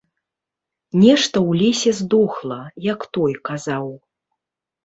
Нешта ў лесе здохла, як той казаў.